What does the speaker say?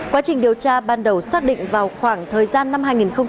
quá trình điều tra ban đầu xác định vào khoảng thời gian năm hai nghìn một mươi